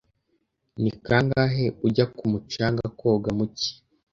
Ni kangahe ujya ku mucanga koga mu cyi?